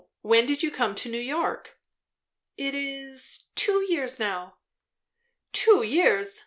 When did you come to New York?" "It is two years now." "Two years!"